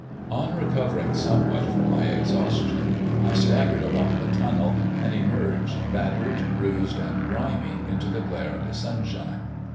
On recovering somewhat from my exhaustion, I staggered along the tunnel, and emerged, battered, bruised, and grimy, into the glare of the sunshine.